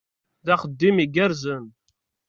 D axeddim igerrzen.